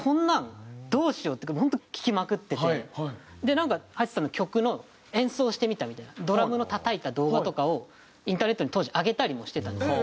なんかハチさんの曲の「演奏してみた」みたいな。ドラムのたたいた動画とかをインターネットに当時上げたりもしてたんです。